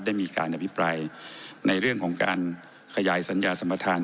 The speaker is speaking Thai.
ได้มีการอภิปรายในเรื่องของการขยายสัญญาสมทาน